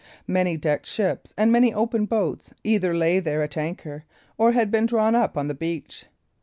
Many decked ships and many open boats either lay there at anchor, or had been drawn up on the beach.